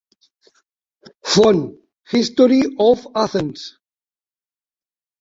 Font: "History of Athens".